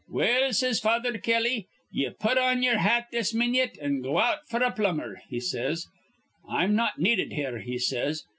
'Well,' says Father Kelly, 'ye put on ye'er hat this minyit, an' go out f'r a plumber,' he says. 'I'm not needed here,' he says.